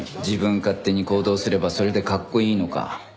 自分勝手に行動すればそれでかっこいいのか？